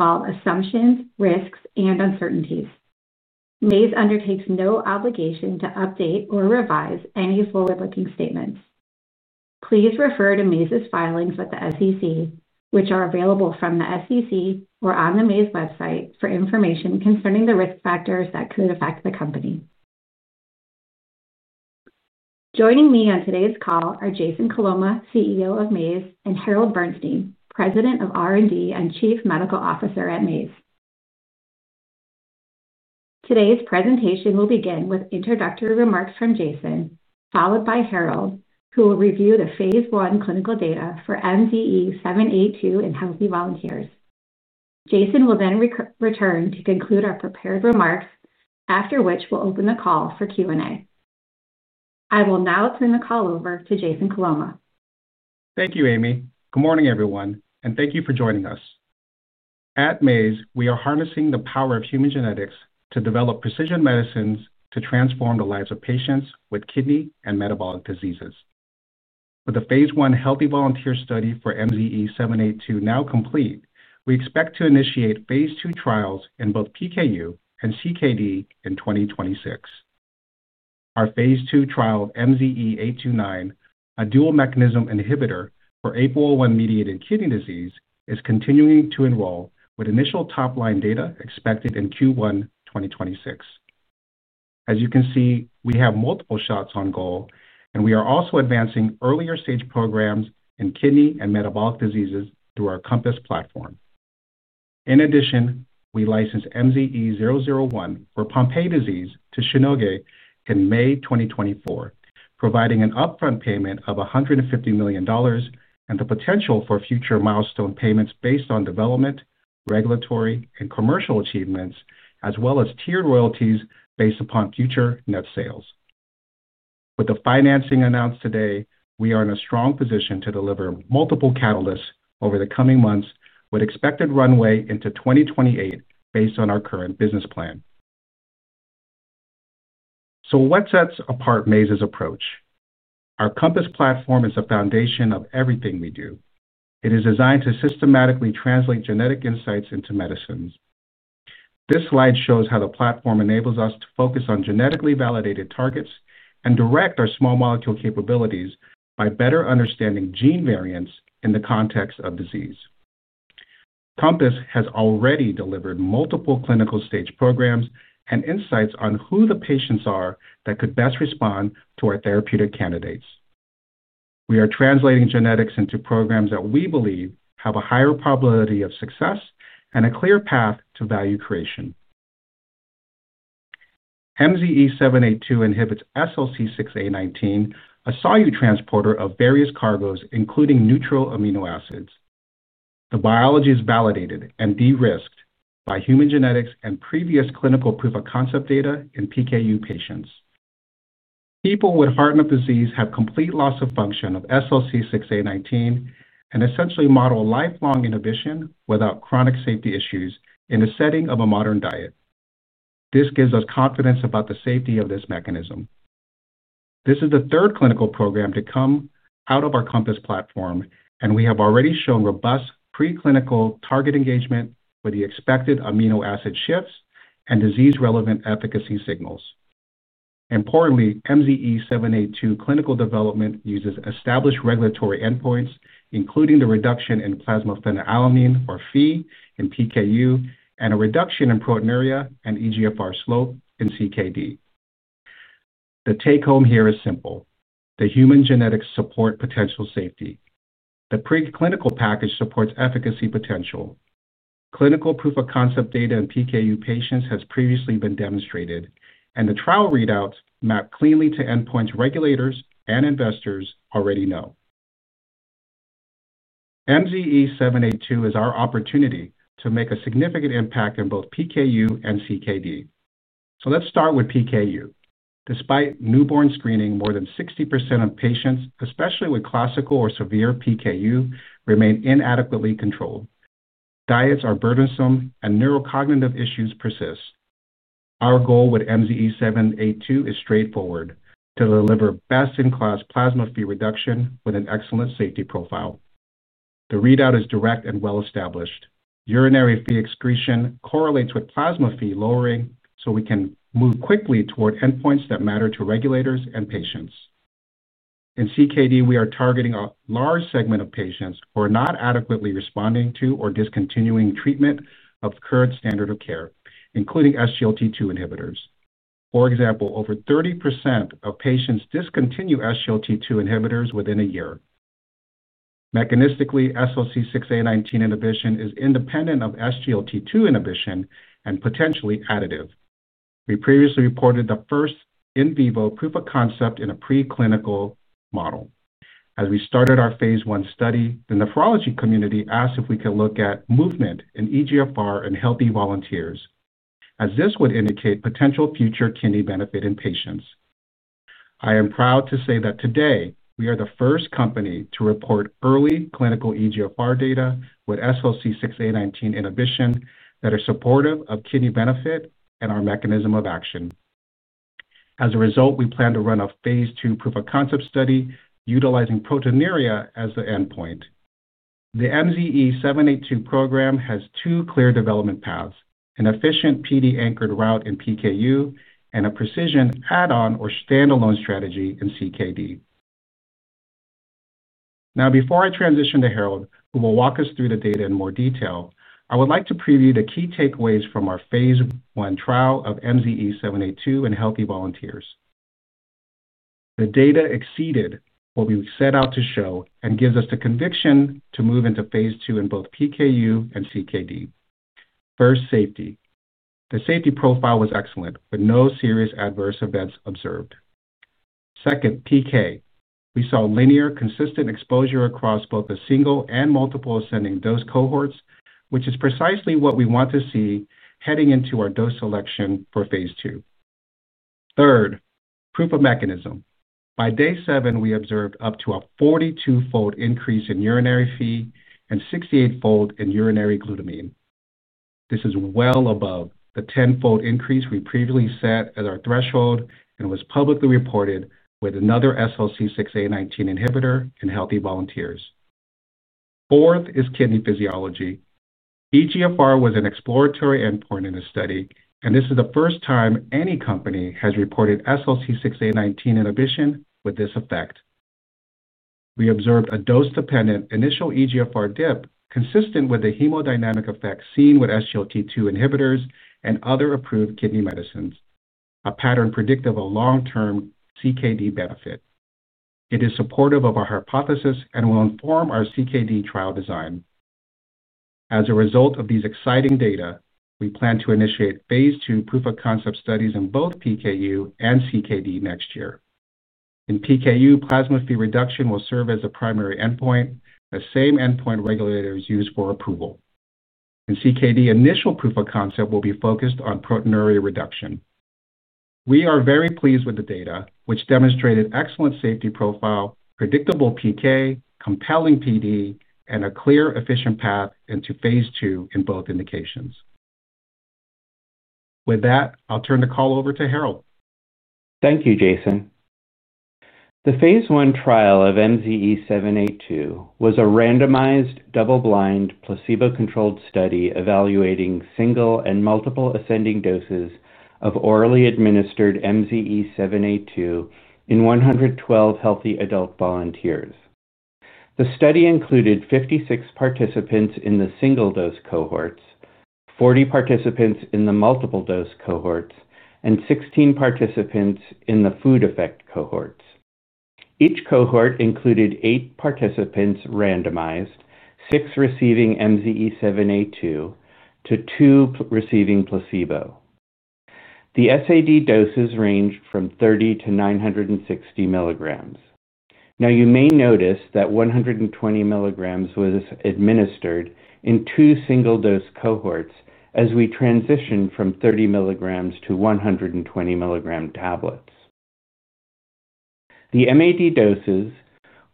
Involve assumptions, risks, and uncertainties. Maze undertakes no obligation to update or revise any forward-looking statements. Please refer to Maze's filings with the SEC, which are available from the SEC or on the Maze website for information concerning the risk factors that could affect the company. Joining me on today's call are Jason Coloma, CEO of Maze, and Harold Bernstein, President of R&D and Chief Medical Officer at Maze. Today's presentation will begin with introductory remarks from Jason, followed by Harold, who will review the Phase I clinical data for MZE-782 in healthy volunteers. Jason will then return to conclude our prepared remarks, after which we'll open the call for Q&A. I will now turn the call over to Jason Coloma. Thank you, Amy. Good morning, everyone, and thank you for joining us. At Maze, we are harnessing the power of human genetics to develop precision medicines to transform the lives of patients with kidney and metabolic diseases. With the Phase I healthy volunteer study for MZE-782 now complete, we expect to initiate Phase II trials in both PKU and CKD in 2026. Our Phase II trial of MZE-829, a dual mechanism inhibitor for APOL1-mediated kidney disease, is continuing to enroll, with initial top-line data expected in Q1 2026. As you can see, we have multiple shots on goal, and we are also advancing earlier-stage programs in kidney and metabolic diseases through our Compass platform. In addition, we licensed MZE-001, for Pompe disease, to Shionogi & Co. in May 2024, providing an upfront payment of $150 million and the potential for future milestone payments based on development, regulatory, and commercial achievements, as well as tiered royalties based upon future net sales. With the financing announced today, we are in a strong position to deliver multiple catalysts over the coming months, with expected runway into 2028 based on our current business plan. What sets apart Maze's approach? Our Compass platform is the foundation of everything we do. It is designed to systematically translate genetic insights into medicines. This slide shows how the platform enables us to focus on genetically validated targets and direct our small molecule capabilities by better understanding gene variants in the context of disease. Compass has already delivered multiple clinical stage programs and insights on who the patients are that could best respond to our therapeutic candidates. We are translating genetics into programs that we believe have a higher probability of success and a clear path to value creation. MZE-782 inhibits SLC6A19, a solute transporter of various carbos, including neutral amino acids. The biology is validated and de-risked by human genetics and previous clinical proof of concept data in PKU patients. People with Hartnup disease have complete loss of function of SLC6A19 and essentially model lifelong inhibition without chronic safety issues in the setting of a modern diet. This gives us confidence about the safety of this mechanism. This is the third clinical program to come out of our Compass platform, and we have already shown robust preclinical target engagement with the expected amino acid shifts and disease-relevant efficacy signals. Importantly, MZE-782 clinical development uses established regulatory endpoints, including the reduction in plasma phenylalanine, or PHE, in PKU and a reduction in proteinuria and eGFR slope in CKD. The take-home here is simple: the human genetics support potential safety. The preclinical package supports efficacy potential. Clinical proof of concept data in PKU patients has previously been demonstrated, and the trial readouts map cleanly to endpoints regulators and investors already know. MZE-782 is our opportunity to make a significant impact in both PKU and CKD. Let's start with PKU. Despite newborn screening, more than 60% of patients, especially with classical or severe PKU, remain inadequately controlled. Diets are burdensome, and neurocognitive issues persist. Our goal with MZE-782 is straightforward: to deliver best-in-class plasma PHE reduction with an excellent safety profile. The readout is direct and well-established. Urinary PHE excretion correlates with plasma PHE lowering, so we can move quickly toward endpoints that matter to regulators and patients. In CKD, we are targeting a large segment of patients who are not adequately responding to or discontinuing treatment of the current standard of care, including SGLT2 inhibitors. For example, over 30% of patients discontinue SGLT2 inhibitors within a year. Mechanistically, SLC6A19 inhibition is independent of SGLT2 inhibition and potentially additive. We previously reported the first in vivo proof of concept in a preclinical model. As we started our Phase I study, the nephrology community asked if we could look at movement in eGFR in healthy volunteers, as this would indicate potential future kidney benefit in patients. I am proud to say that today we are the first company to report early clinical eGFR data with SLC6A19 inhibition that is supportive of kidney benefit and our mechanism of action. As a result, we plan to run a Phase II proof of concept study utilizing proteinuria as the endpoint. The MZE-782 program has two clear development paths: an efficient PD-anchored route in PKU and a precision add-on or standalone strategy in CKD. Before I transition to Harold, who will walk us through the data in more detail, I would like to preview the key takeaways from our Phase I trial of MZE-782 in healthy volunteers. The data exceeded what we set out to show and gives us the conviction to move into Phase II in both PKU and CKD. First, safety. The safety profile was excellent, with no serious adverse events observed. Second, PK. We saw linear, consistent exposure across both the single and multiple ascending dose cohorts, which is precisely what we want to see heading into our dose selection for Phase II. Third, proof of mechanism. By day seven, we observed up to a 42-fold increase in urinary FE and 68-fold in urinary glutamine. This is well above the 10-fold increase we previously set as our threshold and was publicly reported with another SLC6A19 inhibitor in healthy volunteers. Fourth is kidney physiology. eGFR was an exploratory endpoint in the study, and this is the first time any company has reported SLC6A19 inhibition with this effect. We observed a dose-dependent initial eGFR dip consistent with the hemodynamic effects seen with SGLT2 inhibitors and other approved kidney medicines, a pattern predictive of long-term CKD benefit. It is supportive of our hypothesis and will inform our CKD trial design. As a result of these exciting data, we plan to initiate Phase II proof of concept studies in both PKU and CKD next year. In PKU, plasma FE reduction will serve as a primary endpoint, the same endpoint regulators use for approval. In CKD, initial proof of concept will be focused on proteinuria reduction. We are very pleased with the data, which demonstrated excellent safety profile, predictable PK, compelling PD, and a clear, efficient path into Phase II in both indications. With that, I'll turn the call over to Harold. Thank you, Jason. The Phase I trial of MZE-782 was a randomized, double-blind, placebo-controlled study evaluating single and multiple ascending doses of orally administered MZE-782 in 112 healthy adult volunteers. The study included 56 participants in the single-dose cohorts, 40 participants in the multiple-dose cohorts, and 16 participants in the food effect cohorts. Each cohort included eight participants randomized, six receiving MZE-782 to two receiving placebo. The SAD doses ranged from 30 to 960 milligrams. You may notice that 120 milligrams was administered in two single-dose cohorts as we transitioned from 30 milligrams to 120 milligram tablets. The MAD doses,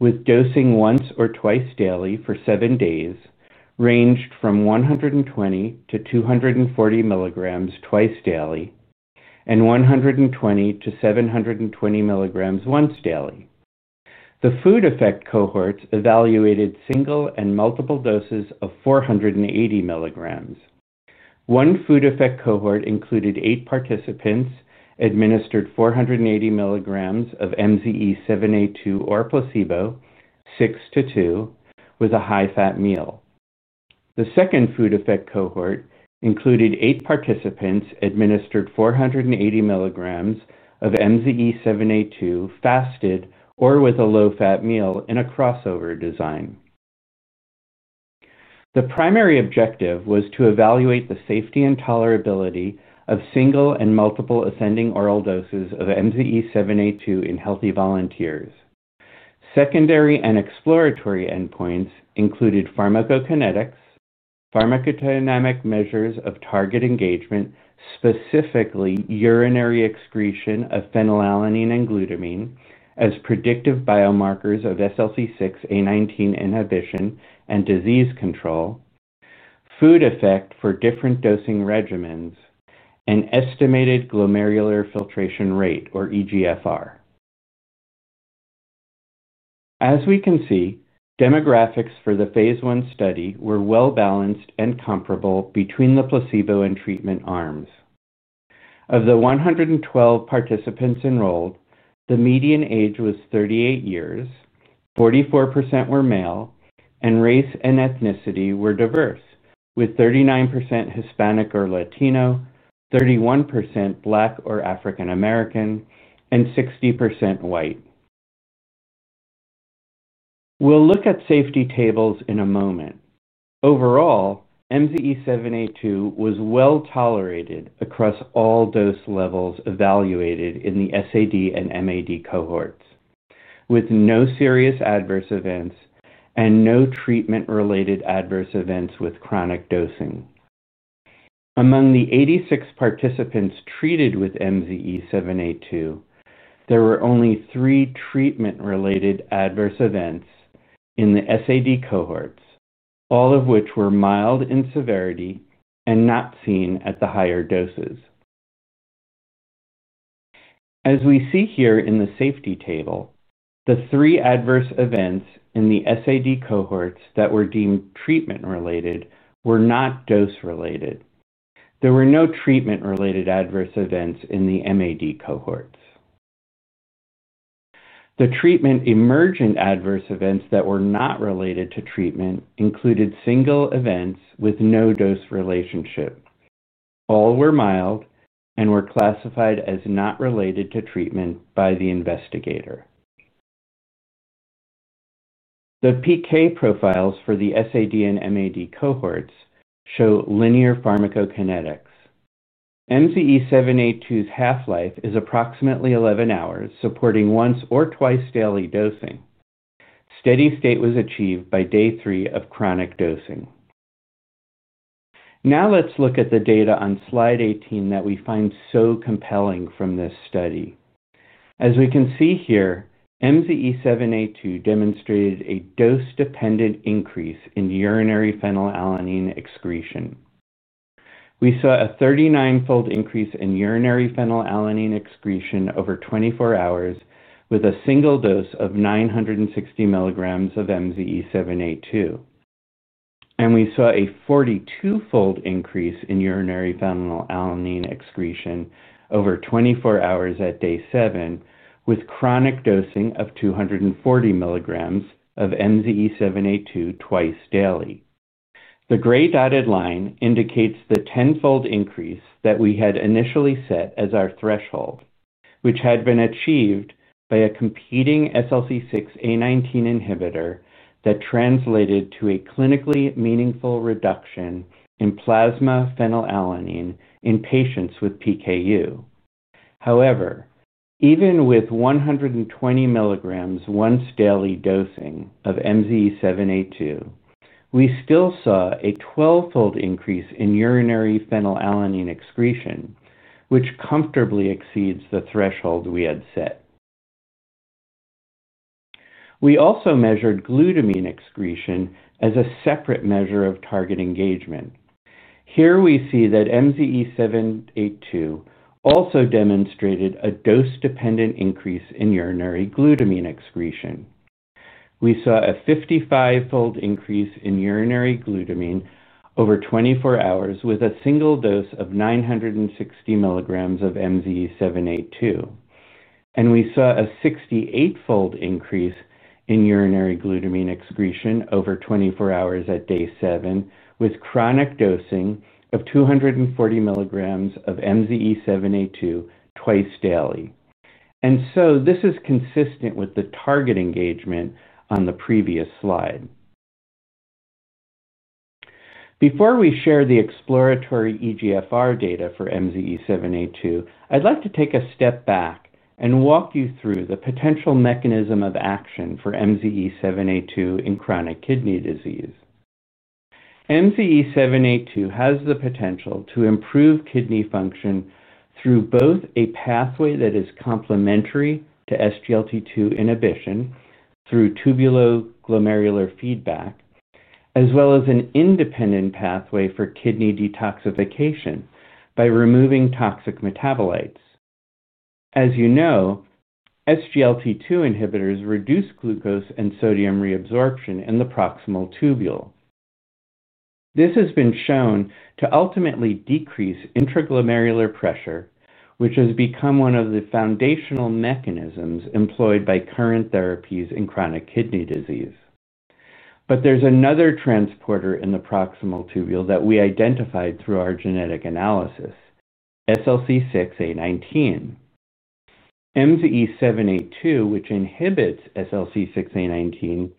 with dosing once or twice daily for seven days, ranged from 120 to 240 milligrams twice daily and 120 to 720 milligrams once daily. The food effect cohorts evaluated single and multiple doses of 480 milligrams. One food effect cohort included eight participants administered 480 milligrams of MZE-782 or placebo, six to two, with a high-fat meal. The second food effect cohort included eight participants administered 480 milligrams of MZE-782 fasted or with a low-fat meal in a crossover design. The primary objective was to evaluate the safety and tolerability of single and multiple ascending oral doses of MZE-782 in healthy volunteers. Secondary and exploratory endpoints included pharmacokinetics, pharmacodynamic measures of target engagement, specifically urinary excretion of phenylalanine and glutamine as predictive biomarkers of SLC6A19 inhibition and disease control, food effect for different dosing regimens, and estimated glomerular filtration rate, or eGFR. As we can see, demographics for the Phase I study were well-balanced and comparable between the placebo and treatment arms. Of the 112 participants enrolled, the median age was 38 years, 44% were male, and race and ethnicity were diverse, with 39% Hispanic or Latino, 31% Black or African American, and 60% White. We'll look at safety tables in a moment. Overall, MZE-782 was well tolerated across all dose levels evaluated in the SAD and MAD cohorts, with no serious adverse events and no treatment-related adverse events with chronic dosing. Among the 86 participants treated with MZE-782, there were only three treatment-related adverse events in the SAD cohorts, all of which were mild in severity and not seen at the higher doses. As we see here in the safety table, the three adverse events in the SAD cohorts that were deemed treatment-related were not dose-related. There were no treatment-related adverse events in the MAD cohorts. The treatment-emergent adverse events that were not related to treatment included single events with no dose relationship. All were mild and were classified as not related to treatment by the investigator. The PK profiles for the SAD and MAD cohorts show linear pharmacokinetics. MZE-782's half-life is approximately 11 hours, supporting once or twice daily dosing. Steady state was achieved by day three of chronic dosing. Now, let's look at the data on slide 18 that we find so compelling from this study. As we can see here, MZE-782 demonstrated a dose-dependent increase in urinary phenylalanine excretion. We saw a 39-fold increase in urinary phenylalanine excretion over 24 hours with a single dose of 960 milligrams of MZE-782. We saw a 42-fold increase in urinary phenylalanine excretion over 24 hours at day seven, with chronic dosing of 240 milligrams of MZE-782 twice daily. The gray dotted line indicates the tenfold increase that we had initially set as our threshold, which had been achieved by a competing SLC6A19 inhibitor that translated to a clinically meaningful reduction in plasma phenylalanine in patients with PKU. However, even with 120 milligrams once daily dosing of MZE-782, we still saw a 12-fold increase in urinary phenylalanine excretion, which comfortably exceeds the threshold we had set. We also measured glutamine excretion as a separate measure of target engagement. Here we see that MZE-782 also demonstrated a dose-dependent increase in urinary glutamine excretion. We saw a 55-fold increase in urinary glutamine over 24 hours with a single dose of 960 milligrams of MZE-782. We saw a 68-fold increase in urinary glutamine excretion over 24 hours at day seven with chronic dosing of 240 milligrams of MZE-782 twice daily. This is consistent with the target engagement on the previous slide. Before we share the exploratory eGFR data for MZE-782, I'd like to take a step back and walk you through the potential mechanism of action for MZE-782 in chronic kidney disease. MZE-782 has the potential to improve kidney function through both a pathway that is complementary to SGLT2 inhibition through tubuloglomerular feedback, as well as an independent pathway for kidney detoxification by removing toxic metabolites. As you know, SGLT2 inhibitors reduce glucose and sodium reabsorption in the proximal tubule. This has been shown to ultimately decrease intraglomerular pressure, which has become one of the foundational mechanisms employed by current therapies in chronic kidney disease. There is another transporter in the proximal tubule that we identified through our genetic analysis: SLC6A19. MZE-782, which inhibits SLC6A19,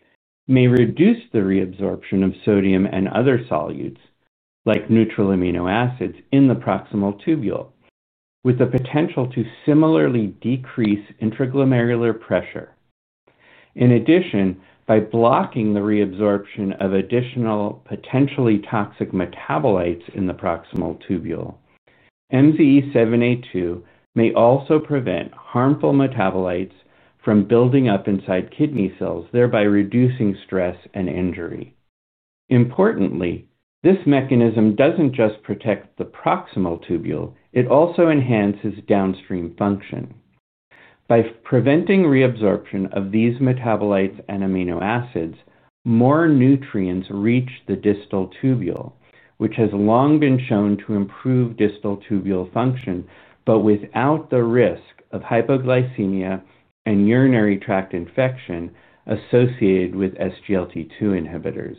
may reduce the reabsorption of sodium and other solutes, like neutral amino acids, in the proximal tubule, with the potential to similarly decrease intraglomerular pressure. In addition, by blocking the reabsorption of additional potentially toxic metabolites in the proximal tubule, MZE-782 may also prevent harmful metabolites from building up inside kidney cells, thereby reducing stress and injury. Importantly, this mechanism doesn't just protect the proximal tubule; it also enhances downstream function. By preventing reabsorption of these metabolites and amino acids, more nutrients reach the distal tubule, which has long been shown to improve distal tubule function, but without the risk of hypoglycemia and urinary tract infection associated with SGLT2 inhibitors.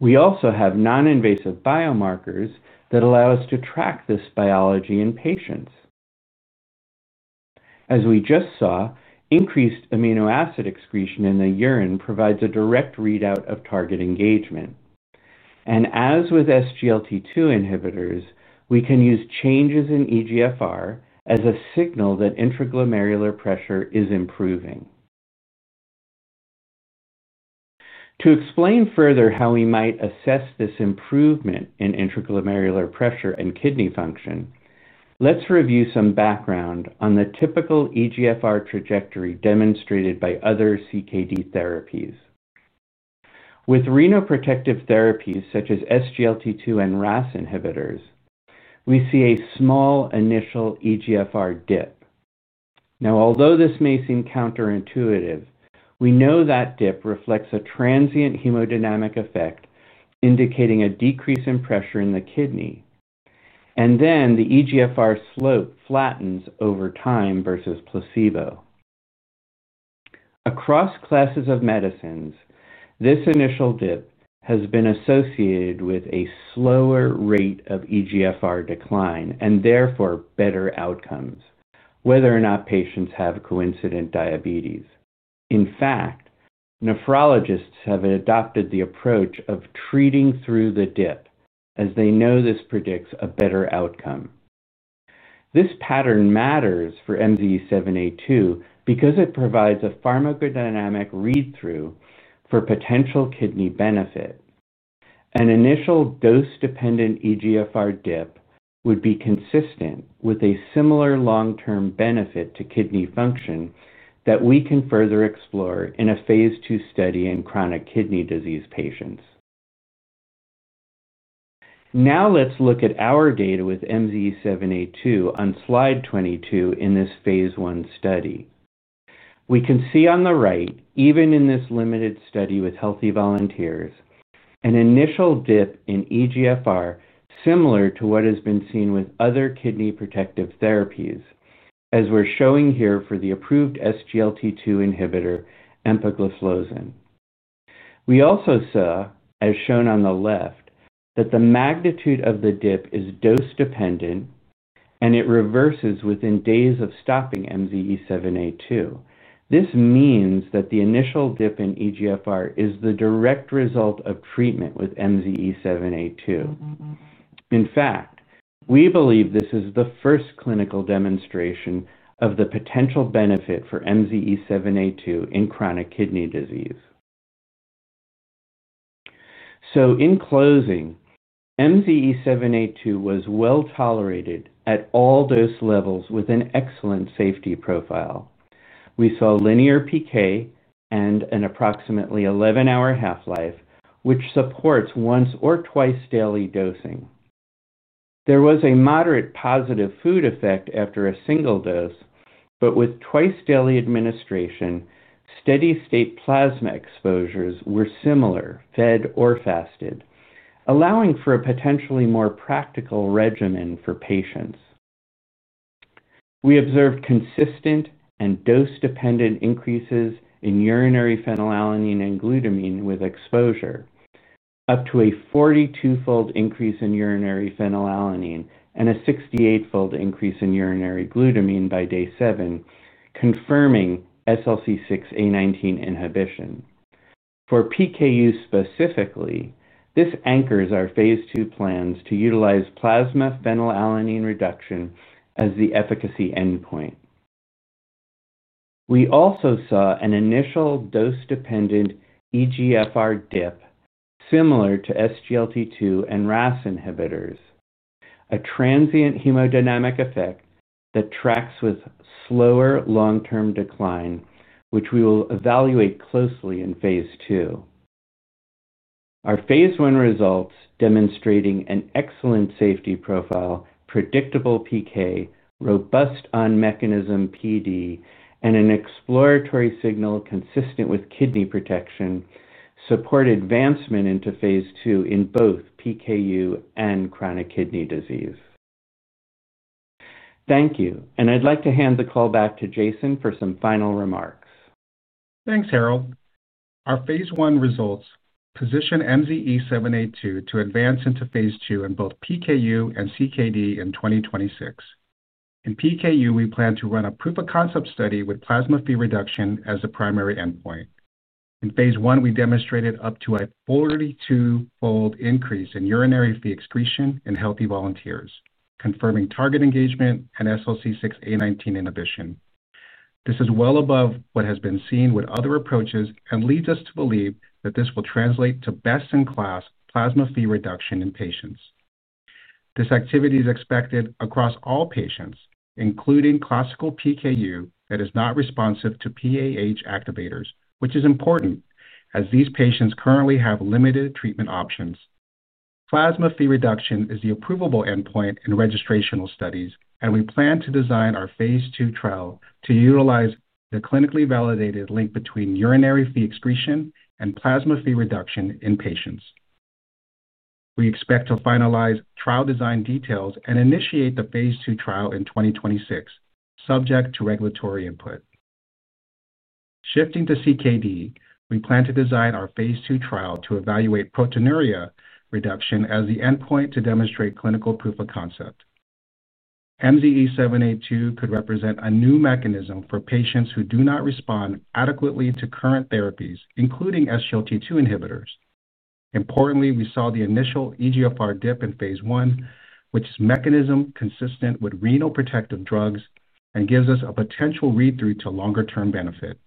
We also have non-invasive biomarkers that allow us to track this biology in patients. As we just saw, increased amino acid excretion in the urine provides a direct readout of target engagement. As with SGLT2 inhibitors, we can use changes in eGFR as a signal that intraglomerular pressure is improving. To explain further how we might assess this improvement in intraglomerular pressure and kidney function, let's review some background on the typical eGFR trajectory demonstrated by other chronic kidney disease therapies. With renoprotective therapies such as SGLT2 and RAS inhibitors, we see a small initial eGFR dip. Although this may seem counterintuitive, we know that dip reflects a transient hemodynamic effect indicating a decrease in pressure in the kidney. The eGFR slope flattens over time versus placebo. Across classes of medicines, this initial dip has been associated with a slower rate of eGFR decline and therefore better outcomes, whether or not patients have coincident diabetes. In fact, nephrologists have adopted the approach of treating through the dip, as they know this predicts a better outcome. This pattern matters for MZE-782 because it provides a pharmacodynamic read-through for potential kidney benefit. An initial dose-dependent eGFR dip would be consistent with a similar long-term benefit to kidney function that we can further explore in a Phase II study in chronic kidney disease patients. Now let's look at our data with MZE-782 on slide 22 in this Phase I study. We can see on the right, even in this limited study with healthy volunteers, an initial dip in eGFR similar to what has been seen with other kidney protective therapies, as we're showing here for the approved SGLT2 inhibitor, empagliflozin. We also saw, as shown on the left, that the magnitude of the dip is dose-dependent, and it reverses within days of stopping MZE-782. This means that the initial dip in eGFR is the direct result of treatment with MZE-782. In fact, we believe this is the first clinical demonstration of the potential benefit for MZE-782 in chronic kidney disease. In closing, MZE-782 was well tolerated at all dose levels with an excellent safety profile. We saw linear PK and an approximately 11-hour half-life, which supports once or twice daily dosing. There was a moderate positive food effect after a single dose, but with twice daily administration, steady state plasma exposures were similar, fed or fasted, allowing for a potentially more practical regimen for patients. We observed consistent and dose-dependent increases in urinary phenylalanine and glutamine with exposure, up to a 42-fold increase in urinary phenylalanine and a 68-fold increase in urinary glutamine by day seven, confirming SLC6A19 inhibition. For PKU specifically, this anchors our Phase II plans to utilize plasma phenylalanine reduction as the efficacy endpoint. We also saw an initial dose-dependent eGFR dip, similar to SGLT2 and RAS inhibitors, a transient hemodynamic effect that tracks with slower long-term decline, which we will evaluate closely in Phase II. Our Phase I results, demonstrating an excellent safety profile, predictable PK, robust on-mechanism PD, and an exploratory signal consistent with kidney protection, support advancement into Phase II in both PKU and chronic kidney disease. Thank you, and I'd like to hand the call back to Jason for some final remarks. Thanks, Harold. Our Phase I results position MZE-782 to advance into Phase II in both PKU and CKD in 2026. In PKU, we plan to run a proof of concept study with plasma phenylalanine reduction as a primary endpoint. In Phase I, we demonstrated up to a 42-fold increase in urinary phenylalanine excretion in healthy volunteers, confirming target engagement and SLC6A19 inhibition. This is well above what has been seen with other approaches and leads us to believe that this will translate to best-in-class plasma phenylalanine reduction in patients. This activity is expected across all patients, including classical PKU that is not responsive to PAH activators, which is important as these patients currently have limited treatment options. Plasma phenylalanine reduction is the approvable endpoint in registrational studies, and we plan to design our Phase II trial to utilize the clinically validated link between urinary phenylalanine excretion and plasma phenylalanine reduction in patients. We expect to finalize trial design details and initiate the Phase II trial in 2026, subject to regulatory input. Shifting to CKD, we plan to design our Phase II trial to evaluate proteinuria reduction as the endpoint to demonstrate clinical proof of concept. MZE-782 could represent a new mechanism for patients who do not respond adequately to current therapies, including SGLT2 inhibitors. Importantly, we saw the initial eGFR dip in Phase I, which is a mechanism consistent with renoprotective drugs and gives us a potential read-through to longer-term benefit.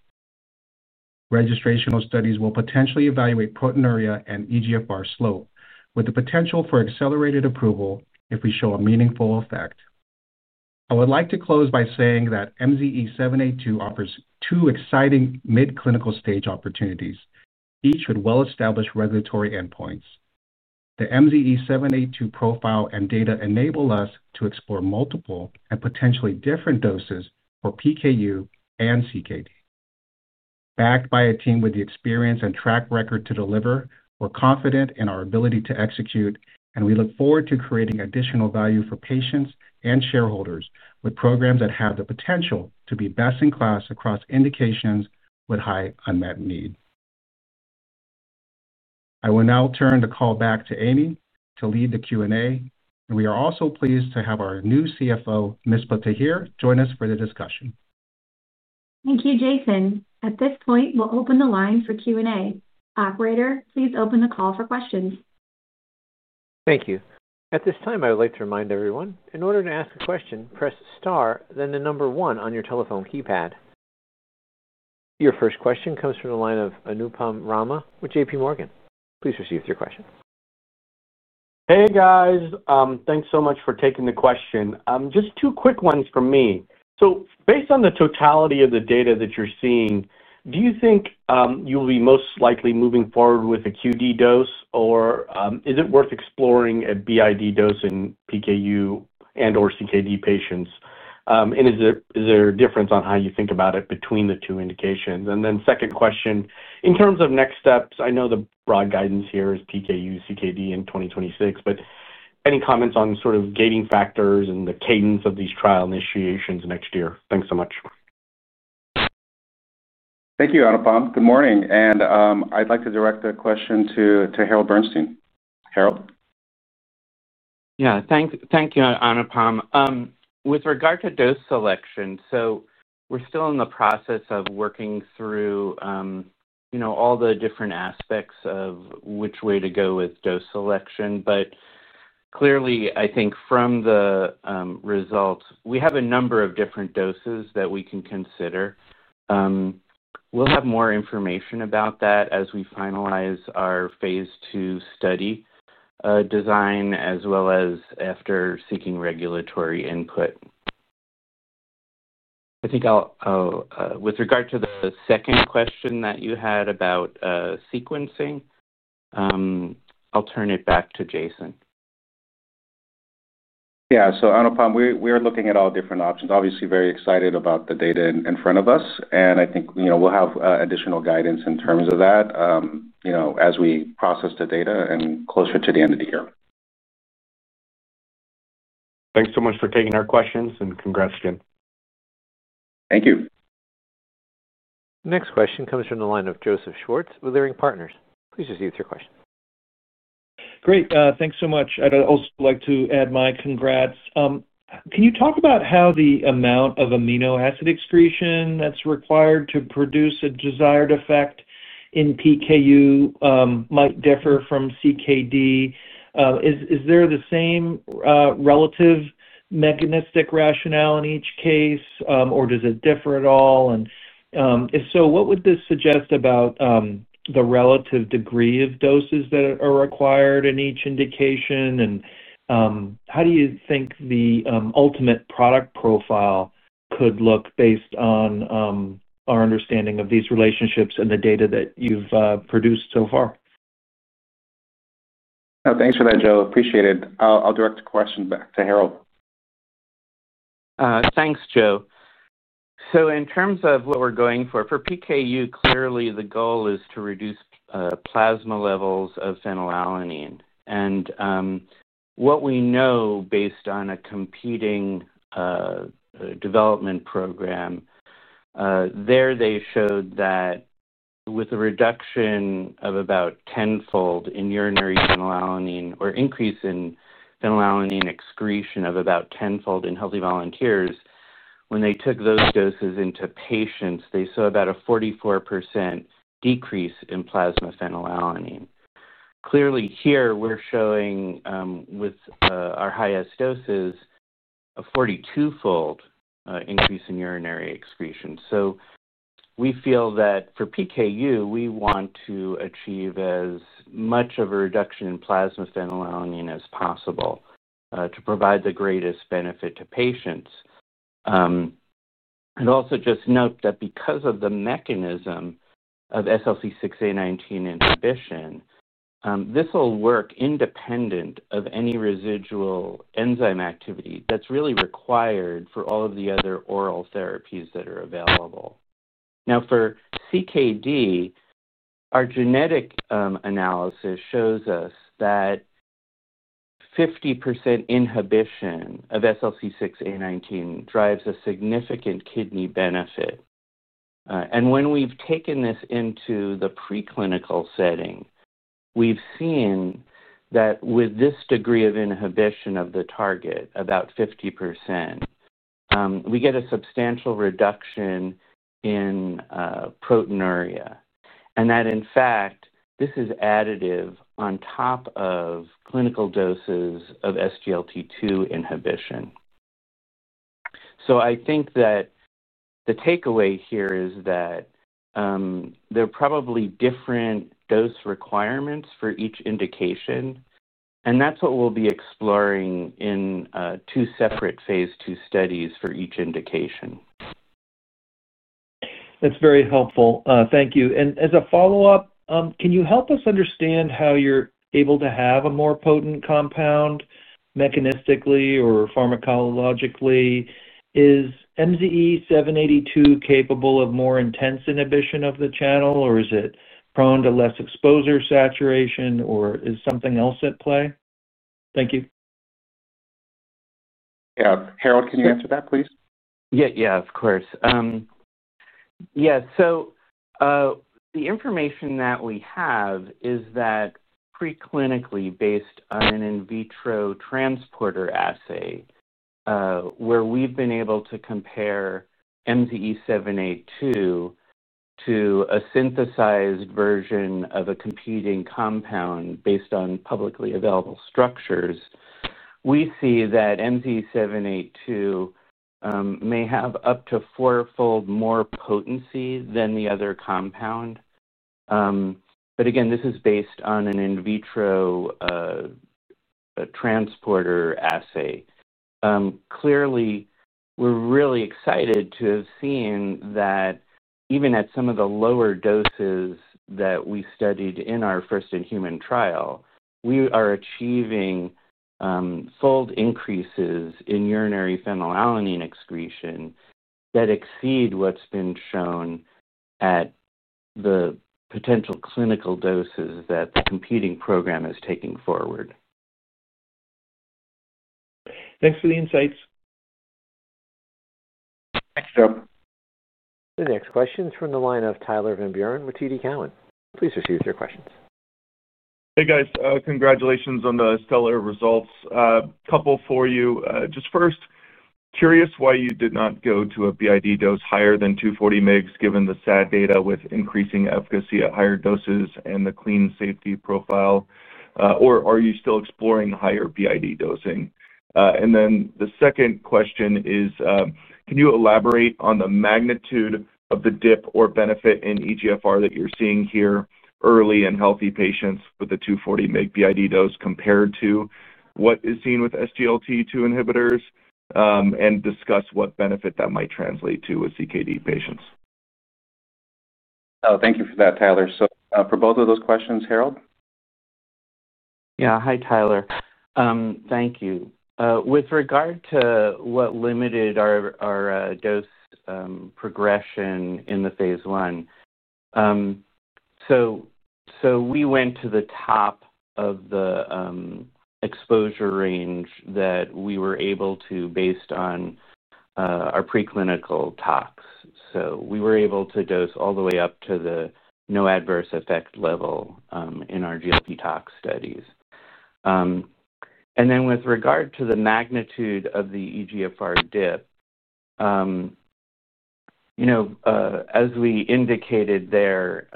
Registrational studies will potentially evaluate proteinuria and eGFR slope, with the potential for accelerated approval if we show a meaningful effect. I would like to close by saying that MZE-782 offers two exciting mid-clinical stage opportunities, each with well-established regulatory endpoints. The MZE-782 profile and data enable us to explore multiple and potentially different doses for PKU and CKD. Backed by a team with the experience and track record to deliver, we're confident in our ability to execute, and we look forward to creating additional value for patients and shareholders with programs that have the potential to be best-in-class across indications with high unmet need. I will now turn the call back to Amy to lead the Q&A, and we are also pleased to have our new CFO, Ms. Patahir, join us for the discussion. Thank you, Jason. At this point, we'll open the line for Q&A. Operator, please open the call for questions. Thank you. At this time, I would like to remind everyone, in order to ask a question, press star, then the number one on your telephone keypad. Your first question comes from the line of Anupam Rama with J.P. Morgan. Please proceed with your question. Hey, guys. Thanks so much for taking the question. Just two quick ones from me. Based on the totality of the data that you're seeing, do you think you'll be most likely moving forward with a QD dose, or is it worth exploring a BID dose in PKU and/or CKD patients? Is there a difference on how you think about it between the two indications? Second question, in terms of next steps, I know the broad guidance here is PKU, CKD in 2026, but any comments on sort of gating factors and the cadence of these trial initiations next year? Thanks so much. Thank you, Anupam. Good morning. I'd like to direct a question to Harold Bernstein. Harold? Yeah, thanks. Thank you, Anupam. With regard to dose selection, we're still in the process of working through all the different aspects of which way to go with dose selection. Clearly, I think from the results, we have a number of different doses that we can consider. We'll have more information about that as we finalize our Phase II study design, as well as after seeking regulatory input. With regard to the second question that you had about sequencing, I'll turn it back to Jason. Yeah, Anupam, we're looking at all different options. Obviously, very excited about the data in front of us, and I think we'll have additional guidance in terms of that as we process the data and closer to the end of the year. Thanks so much for taking our questions, and congrats again. Thank you. Next question comes from the line of Joseph Schwartz with Leerink Partners. Please proceed with your question. Great. Thanks so much. I'd also like to add my congrats. Can you talk about how the amount of amino acid excretion that's required to produce a desired effect in PKU might differ from CKD? Is there the same relative mechanistic rationale in each case, or does it differ at all? If so, what would this suggest about the relative degree of doses that are required in each indication, and how do you think the ultimate product profile could look based on our understanding of these relationships and the data that you've produced so far? Thanks for that, Joe. Appreciate it. I'll direct a question back to Harold. Thanks, Joe. In terms of what we're going for, for PKU, clearly the goal is to reduce plasma levels of phenylalanine. What we know based on a competing development program, they showed that with a reduction of about tenfold in urinary phenylalanine or increase in phenylalanine excretion of about tenfold in healthy volunteers, when they took those doses into patients, they saw about a 44% decrease in plasma phenylalanine. Here we're showing with our highest doses a 42-fold increase in urinary excretion. We feel that for PKU, we want to achieve as much of a reduction in plasma phenylalanine as possible to provide the greatest benefit to patients. Also just note that because of the mechanism of SLC6A19 inhibition, this will work independent of any residual enzyme activity that's really required for all of the other oral therapies that are available. Now, for chronic kidney disease, our genetic analysis shows us that 50% inhibition of SLC6A19 drives a significant kidney benefit. When we've taken this into the preclinical setting, we've seen that with this degree of inhibition of the target, about 50%, we get a substantial reduction in proteinuria. In fact, this is additive on top of clinical doses of SGLT2 inhibition. I think that the takeaway here is that there are probably different dose requirements for each indication, and that's what we'll be exploring in two separate Phase II studies for each indication. That's very helpful. Thank you. As a follow-up, can you help us understand how you're able to have a more potent compound mechanistically or pharmacologically? Is MZE-782 capable of more intense inhibition of the channel, or is it prone to less exposure saturation, or is something else at play? Thank you. Yeah, Harold, can you answer that, please? Yeah, of course. The information that we have is that preclinically, based on an in vitro transporter assay, where we've been able to compare MZE-782 to a synthesized version of a competing compound based on publicly available structures, we see that MZE-782 may have up to four-fold more potency than the other compound. This is based on an in vitro transporter assay. Clearly, we're really excited to have seen that even at some of the lower doses that we studied in our first in human trial, we are achieving fold increases in urinary phenylalanine excretion that exceed what's been shown at the potential clinical doses that the competing program is taking forward. Thanks for the insights. Thanks, Joe. The next question is from the line of Tyler Van Buren with TD Cowen. Please proceed with your questions. Hey, guys. Congratulations on the stellar results. A couple for you. First, curious why you did not go to a BID dose higher than 240 mg, given the SAD data with increasing efficacy at higher doses and the clean safety profile. Are you still exploring higher BID dosing? The second question is, can you elaborate on the magnitude of the dip or benefit in eGFR that you're seeing here early in healthy patients with the 240 mg BID dose compared to what is seen with SGLT2 inhibitors? Please discuss what benefit that might translate to with CKD patients. Thank you for that, Tyler. For both of those questions, Harold? Yeah, hi, Tyler. Thank you. With regard to what limited our dose progression in the Phase I, we went to the top of the exposure range that we were able to, based on our preclinical tox. We were able to dose all the way up to the no adverse effect level in our GLP tox studies. With regard to the magnitude of the eGFR dip, as we indicated there,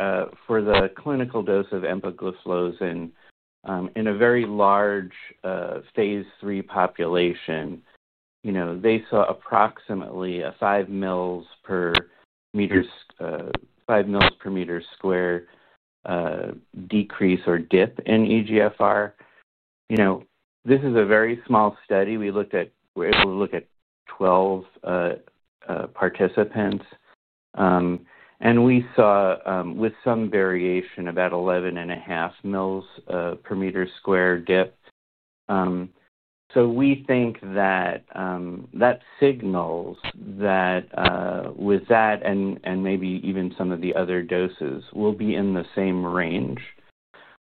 for the clinical dose of empagliflozin in a very large Phase III population, they saw approximately a 5 mL per meter squared decrease or dip in eGFR. This is a very small study. We were able to look at 12 participants, and we saw, with some variation, about 11.5 mL per meter squared dip. We think that signals that with that and maybe even some of the other doses, we will be in the same range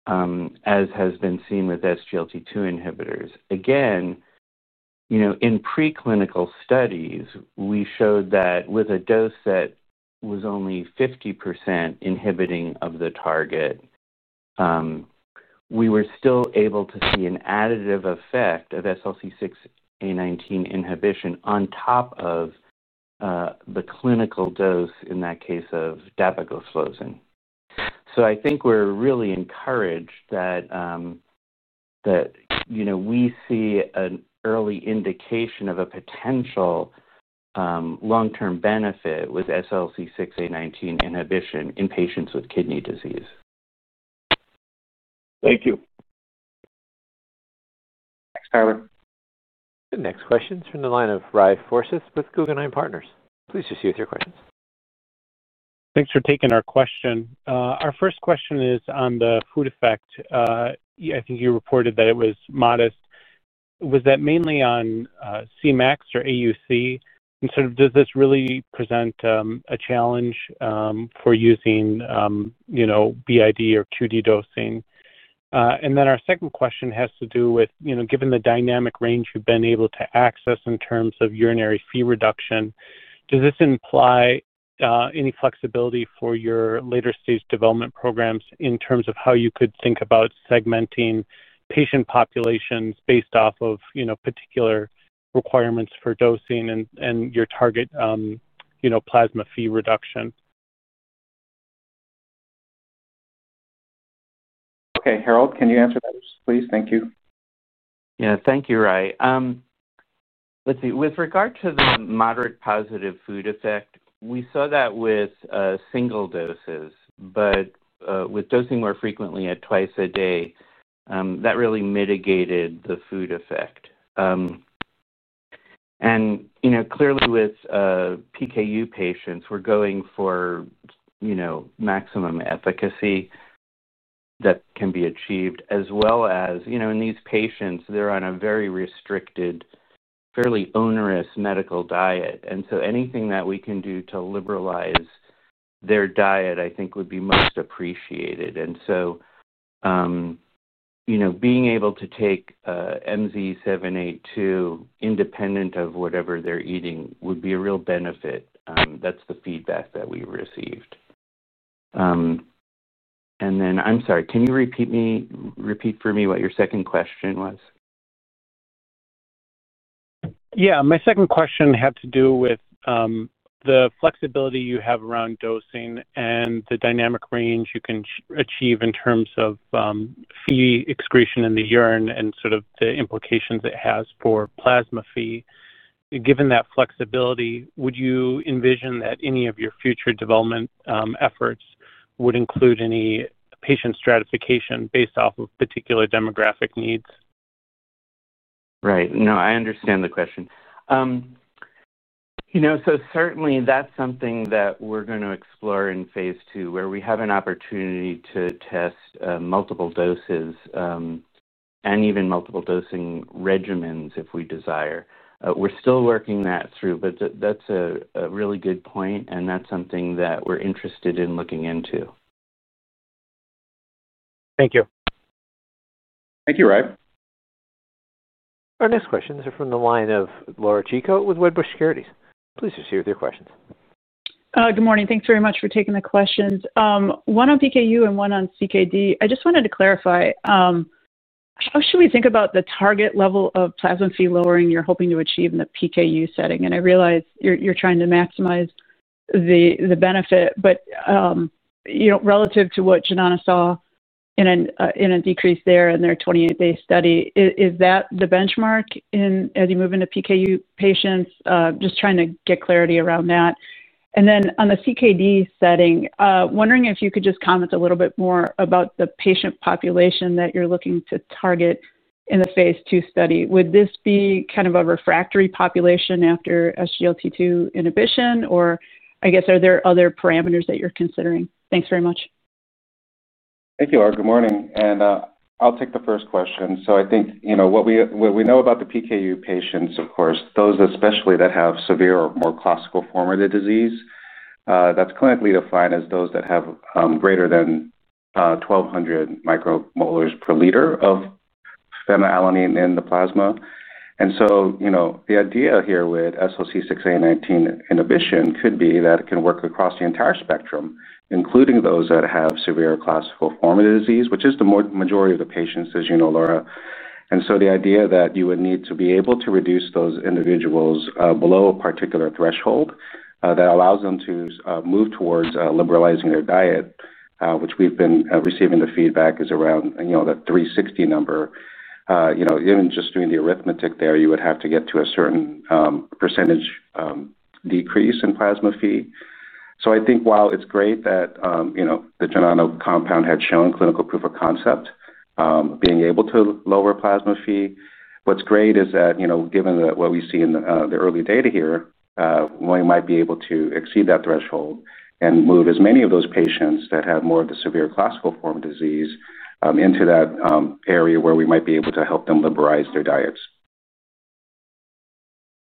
as has been seen with SGLT2 inhibitors. In preclinical studies, we showed that with a dose that was only 50% inhibiting of the target, we were still able to see an additive effect of SLC6A19 inhibition on top of the clinical dose, in that case, of dapagliflozin. I think we're really encouraged that we see an early indication of a potential long-term benefit with SLC6A19 inhibition in patients with kidney disease. Thank you. Tyler. The next question is from the line of Rai Forces with Guggenheim Securities. Please proceed with your questions. Thanks for taking our question. Our first question is on the food effect. I think you reported that it was modest. Was that mainly on Cmax or AUC? Does this really present a challenge for using, you know, BID or QD dosing? Our second question has to do with, you know, given the dynamic range you've been able to access in terms of urinary fee reduction, does this imply any flexibility for your later-stage development programs in terms of how you could think about segmenting patient populations based off of, you know, particular requirements for dosing and your target, you know, plasma fee reduction? Okay, Harold, can you answer that, please? Thank you. Thank you, Rai. With regard to the moderate positive food effect, we saw that with single doses, but with dosing more frequently at twice a day, that really mitigated the food effect. Clearly with PKU patients, we're going for maximum efficacy that can be achieved, as well as, in these patients, they're on a very restricted, fairly onerous medical diet. Anything that we can do to liberalize their diet, I think, would be most appreciated. Being able to take MZE-782 independent of whatever they're eating would be a real benefit. That's the feedback that we received. I'm sorry, can you repeat for me what your second question was? Yeah, my second question had to do with the flexibility you have around dosing and the dynamic range you can achieve in terms of Phe excretion in the urine and sort of the implications it has for plasma Phe. Given that flexibility, would you envision that any of your future development efforts would include any patient stratification based off of particular demographic needs? Right. I understand the question. Certainly, that's something that we're going to explore in Phase II, where we have an opportunity to test multiple doses and even multiple dosing regimens if we desire. We're still working that through, but that's a really good point, and that's something that we're interested in looking into. Thank you. Thank you, Rai. Our next questions are from the line of Laura Chico with Guggenheim Securities. Please proceed with your questions. Good morning. Thanks very much for taking the questions. One on PKU and one on CKD. I just wanted to clarify, how should we think about the target level of plasma phenylalanine lowering you're hoping to achieve in the PKU setting? I realize you're trying to maximize the benefit, but, you know, relative to what Janus Henderson Investors saw in a decrease there in their 28-day study, is that the benchmark as you move into PKU patients? Just trying to get clarity around that. On the CKD setting, wondering if you could just comment a little bit more about the patient population that you're looking to target in the Phase II study. Would this be kind of a refractory population after SGLT2 inhibition, or are there other parameters that you're considering? Thanks very much. Thank you, Laura. Good morning. I'll take the first question. I think what we know about the PKU patients, of course, those especially that have severe or more classical form of the disease, that's clinically defined as those that have greater than 1,200 micromolars per liter of phenylalanine in the plasma. The idea here with SLC6A19 inhibition could be that it can work across the entire spectrum, including those that have severe classical form of the disease, which is the majority of the patients, as you know, Laura. The idea that you would need to be able to reduce those individuals below a particular threshold that allows them to move towards liberalizing their diet, which we've been receiving the feedback is around that 360 number. Even just doing the arithmetic there, you would have to get to a certain % decrease in plasma phe. I think while it's great that the Janus compound had shown clinical proof of concept, being able to lower plasma phe, what's great is that given what we see in the early data here, we might be able to exceed that threshold and move as many of those patients that have more of the severe classical form of disease into that area where we might be able to help them liberalize their diets.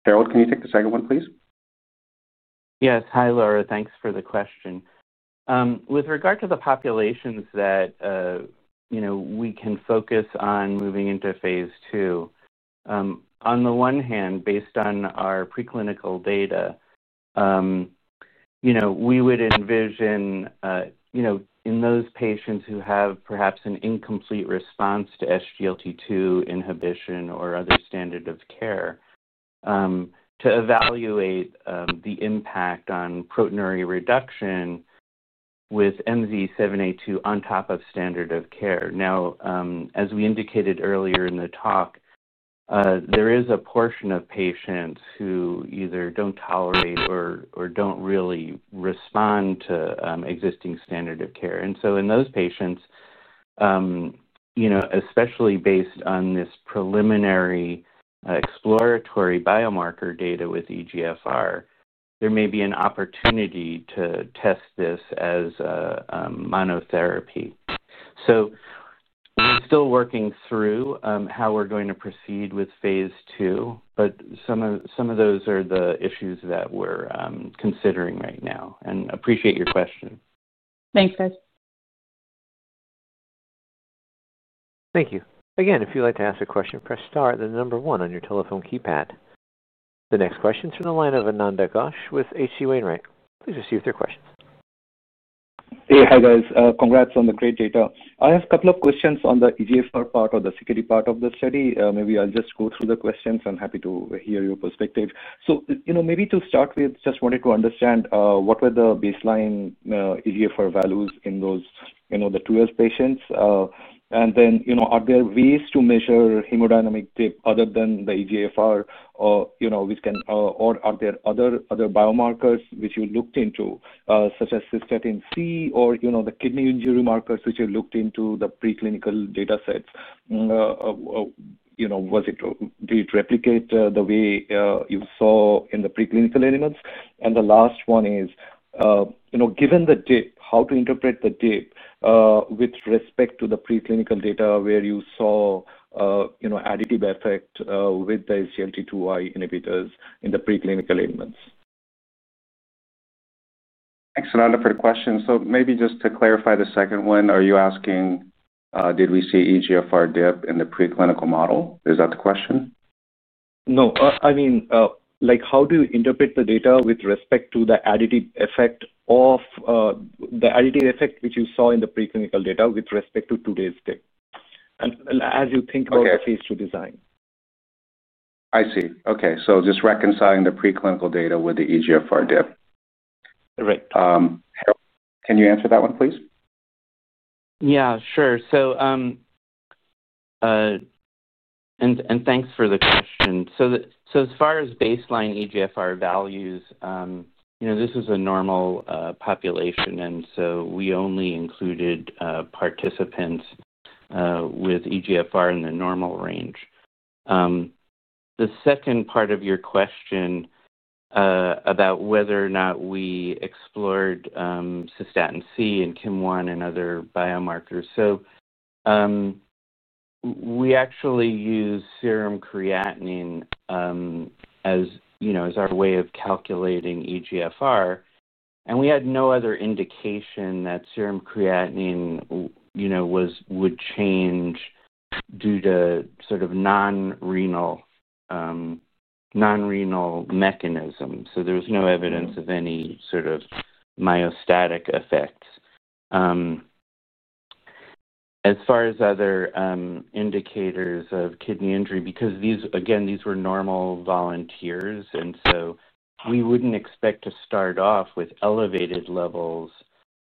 Harold, can you take the second one, please? Yes. Hi, Laura. Thanks for the question. With regard to the populations that we can focus on moving into Phase II, on the one hand, based on our preclinical data, we would envision in those patients who have perhaps an incomplete response to SGLT2 inhibition or other standard of care, to evaluate the impact on proteinuria reduction with MZE-782 on top of standard of care. As we indicated earlier in the talk, there is a portion of patients who either don't tolerate or don't really respond to existing standard of care. In those patients, especially based on this preliminary exploratory biomarker data with eGFR, there may be an opportunity to test this as a monotherapy. We're still working through how we're going to proceed with Phase II, but some of those are the issues that we're considering right now. Appreciate your question. Thanks, guys. Thank you. Again, if you'd like to ask a question, press star, the number one on your telephone keypad. The next question is from the line of Anand Dakosh with H.C. Wainwright. Please proceed with your questions. Hey, Harold. Congrats on the great data. I have a couple of questions on the eGFR part or the CKD part of the study. Maybe I'll just go through the questions. I'm happy to hear your perspective. To start with, just wanted to understand what were the baseline eGFR values in those, you know, the 2S patients? Are there ways to measure hemodynamic dip other than the eGFR, or are there other biomarkers which you looked into, such as cystatin C, or the kidney injury markers which you looked into the preclinical dataset? Did it replicate the way you saw in the preclinical elements? The last one is, given the dip, how to interpret the dip with respect to the preclinical data where you saw additive effect with the SGLT2 inhibitors in the preclinical elements? Thanks, Ananda, for the question. Maybe just to clarify the second one, are you asking did we see eGFR dip in the preclinical model? Is that the question? How do you interpret the data with respect to the additive effect which you saw in the preclinical data with respect to today's dip? As you think about the Phase II design. I see. Okay, just reconciling the preclinical data with the eGFR dip. Right. Harold, can you answer that one, please? Yeah, sure. Thanks for the question. As far as baseline eGFR values, this is a normal population, and we only included participants with eGFR in the normal range. The second part of your question about whether or not we explored cystatin C and KIM-1 and other biomarkers. We actually use serum creatinine as our way of calculating eGFR, and we had no other indication that serum creatinine would change due to sort of non-renal mechanisms. There was no evidence of any sort of myostatic effects. As far as other indicators of kidney injury, these were normal volunteers, and we wouldn't expect to start off with elevated levels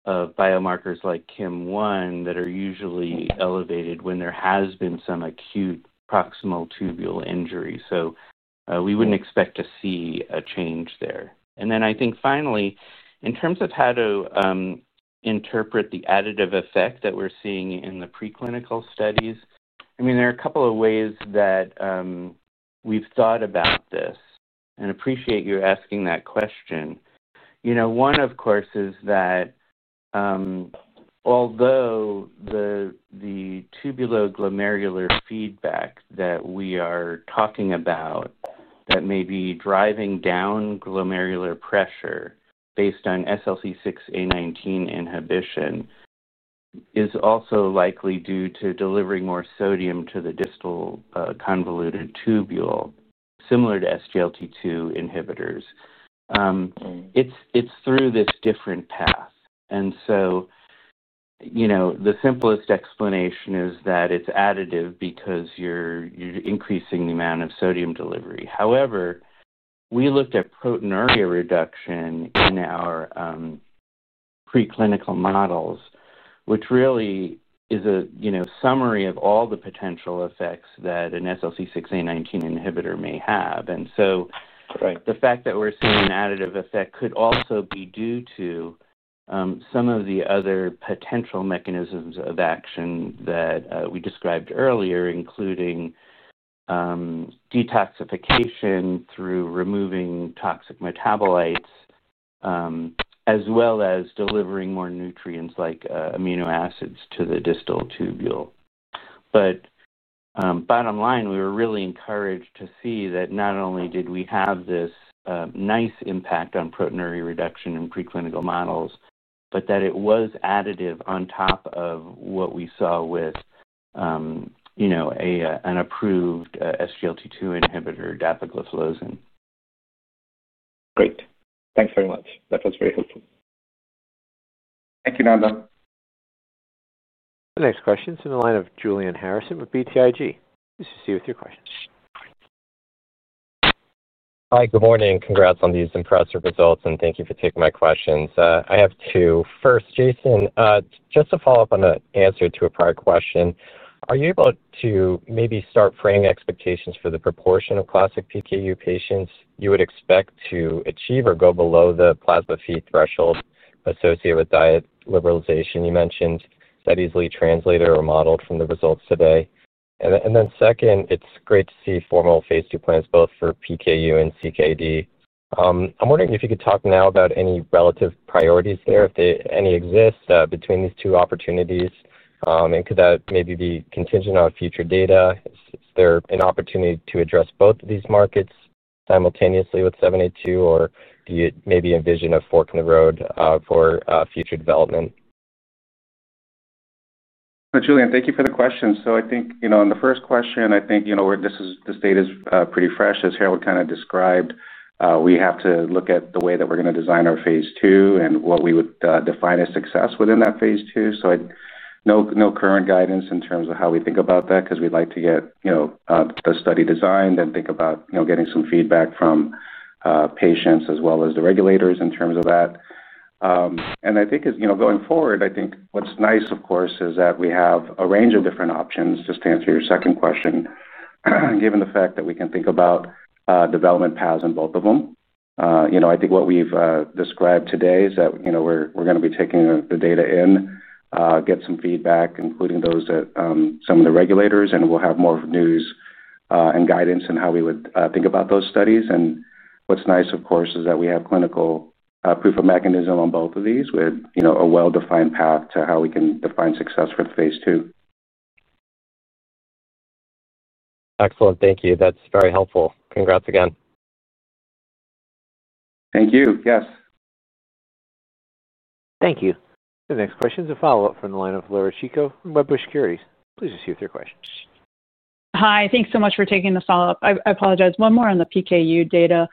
of biomarkers like KIM-1 that are usually elevated when there has been some acute proximal tubule injury. We wouldn't expect to see a change there. Finally, in terms of how to interpret the additive effect that we're seeing in the preclinical studies, there are a couple of ways that we've thought about this, and I appreciate you asking that question. One, of course, is that although the tubuloglomerular feedback that we are talking about that may be driving down glomerular pressure based on SLC6A19 inhibition is also likely due to delivering more sodium to the distal convoluted tubule, similar to SGLT2 inhibitors, it's through this different path. The simplest explanation is that it's additive because you're increasing the amount of sodium delivery. However, we looked at proteinuria reduction in our preclinical models, which really is a summary of all the potential effects that an SLC6A19 inhibitor may have. The fact that we're seeing an additive effect could also be due to some of the other potential mechanisms of action that we described earlier, including detoxification through removing toxic metabolites, as well as delivering more nutrients like amino acids to the distal tubule. Bottom line, we were really encouraged to see that not only did we have this nice impact on proteinuria reduction in preclinical models, but that it was additive on top of what we saw with an approved SGLT2 inhibitor, dapagliflozin. Great. Thanks very much. That was very helpful. Thank you, Ananda. The next question is from the line of Julian Harrison with BTIG. Please proceed with your questions. Hi, good morning. Congrats on these impressive results, and thank you for taking my questions. I have two. First, Jason, just to follow up on an answer to a prior question, are you able to maybe start framing expectations for the proportion of classic PKU patients you would expect to achieve or go below the plasma Phe threshold associated with diet liberalization? You mentioned that's easily translated or modeled from the results today. Second, it's great to see formal Phase II plans both for PKU and CKD. I'm wondering if you could talk now about any relative priorities there, if any exist between these two opportunities, and could that maybe be contingent on future data? Is there an opportunity to address both of these markets simultaneously with 782? Or do you maybe envision a fork in the road for future development? Julian, thank you for the question. I think, on the first question, this data is pretty fresh, as Harold kind of described. We have to look at the way that we're going to design our Phase II and what we would define as success within that Phase II. I have no current guidance in terms of how we think about that because we'd like to get the study designed and think about getting some feedback from patients as well as the regulators in terms of that. I think, going forward, what's nice, of course, is that we have a range of different options, just to answer your second question, given the fact that we can think about development paths in both of them. What we've described today is that we're going to be taking the data in, get some feedback, including those from some of the regulators, and we'll have more news and guidance on how we would think about those studies. What's nice, of course, is that we have clinical proof of mechanism on both of these with a well-defined path to how we can define success with Phase II. Excellent. Thank you. That's very helpful. Congrats again. Thank you. Yes. Thank you. The next question is a follow-up from the line of Laura Chico from Wedbush Securities. Please proceed with your questions. Hi, thanks so much for taking the follow-up. I apologize. One more on the PKU data.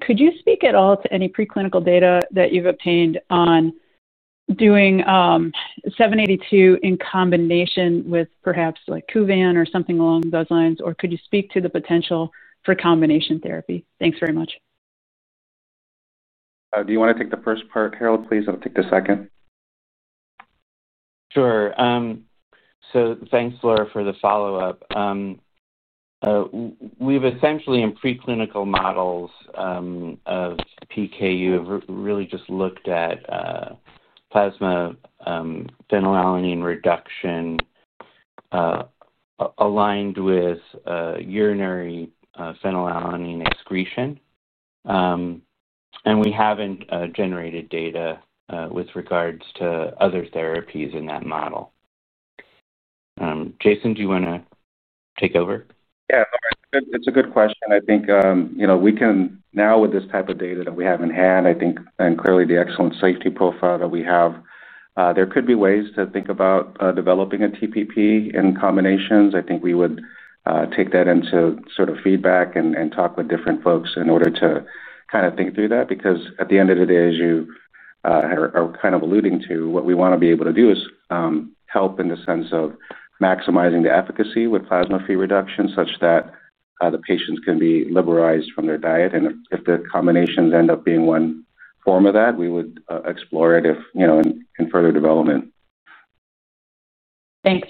Could you speak at all to any preclinical data that you've obtained on doing 782 in combination with perhaps like Kuvan or something along those lines? Could you speak to the potential for combination therapy? Thanks very much. Do you want to take the first part, Harold, please? I'll take the second. Sure. Thanks, Laura, for the follow-up. We've essentially, in preclinical models of PKU, really just looked at plasma phenylalanine reduction aligned with urinary phenylalanine excretion. We haven't generated data with regards to other therapies in that model. Jason, do you want to take over? Yeah, it's a good question. I think we can now, with this type of data that we haven't had, and clearly the excellent safety profile that we have, there could be ways to think about developing a TPP in combinations. I think we would take that into feedback and talk with different folks in order to think through that. At the end of the day, as you are alluding to, what we want to be able to do is help in the sense of maximizing the efficacy with plasma phenylalanine reduction such that the patients can be liberalized from their diet. If the combinations end up being one form of that, we would explore it in further development. Thanks.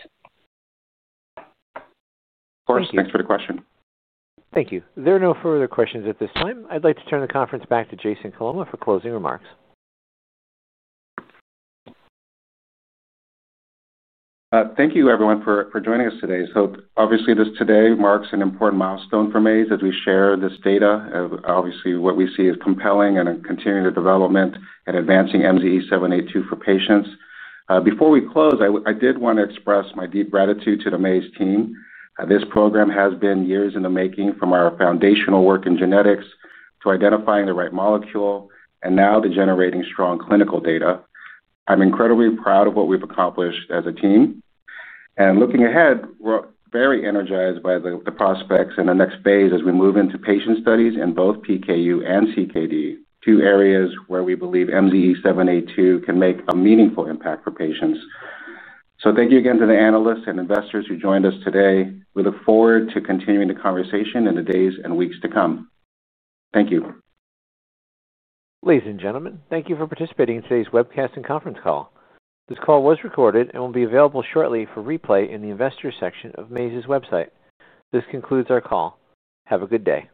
Of course, thanks for the question. Thank you. There are no further questions at this point. I'd like to turn the conference back to Jason Coloma for closing remarks. Thank you, everyone, for joining us today. This today marks an important milestone for Maze Therapeutics as we share this data. What we see is compelling and continuing the development and advancing MZE-782 for patients. Before we close, I did want to express my deep gratitude to the Maze Therapeutics team. This program has been years in the making from our foundational work in genetics to identifying the right molecule and now to generating strong clinical data. I'm incredibly proud of what we've accomplished as a team. Looking ahead, we're very energized by the prospects and the next phase as we move into patient studies in both PKU and chronic kidney disease, two areas where we believe MZE-782 can make a meaningful impact for patients. Thank you again to the analysts and investors who joined us today. We look forward to continuing the conversation in the days and weeks to come. Thank you. Ladies and gentlemen, thank you for participating in today's webcast and conference call. This call was recorded and will be available shortly for replay in the investor section of Maze Therapeutics' website. This concludes our call. Have a good day.